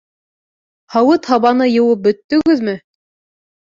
Һауыт-һабаны йыуып бөттөгөҙмө?